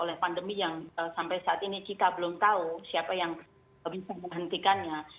oleh pandemi yang sampai saat ini kita belum tahu siapa yang bisa menghentikannya